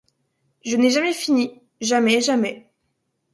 Je n’ai jamais fini, jamais, jamais.